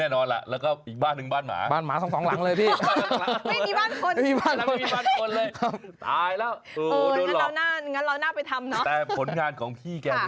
ถ้ามีแบบน้ำห้อยอยู่ก็๑๒๐๐บาท